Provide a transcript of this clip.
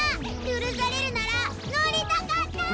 許されるなら乗りたかった！